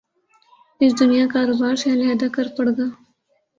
اس دنیا کاروبار سے علیحدہ کر پڑ گا